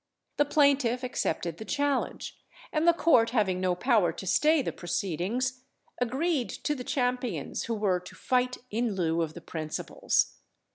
The plaintiff accepted the challenge, and the Court having no power to stay the proceedings, agreed to the champions who were to fight in lieu of the principals.